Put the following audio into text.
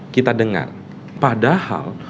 kita dengar padahal